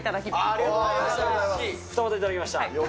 ありがとうございます。